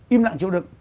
im lặng chịu đựng